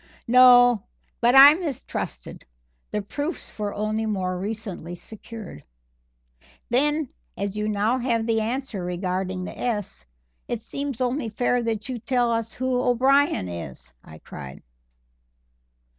"No, but I mistrusted; the proofs were only more recently secured." "Then, as you now have the answer regarding the 'S,' it seems only fair that you tell us who O'Brien is," I cried.